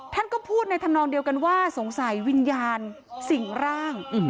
ท่านก็พูดในธรรมนองเดียวกันว่าสงสัยวิญญาณสิ่งร่าง